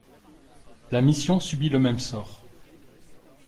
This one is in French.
La mission subit le même sort.